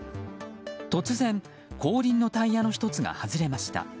突然、後輪のタイヤの１つが外れました。